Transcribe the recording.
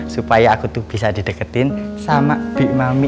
supaya aku tuh bisa dideketin sama bikmami